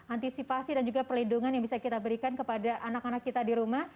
antisipasi dan juga perlindungan yang bisa kita berikan kepada anak anak kita di rumah